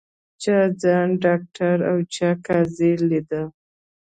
چا ځان ډاکټره او چا قاضي لیده